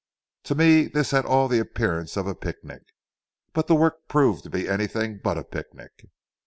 To me this had all the appearance of a picnic. But the work proved to be anything but a picnic.